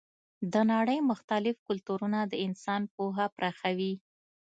د نړۍ مختلف کلتورونه د انسان پوهه پراخوي.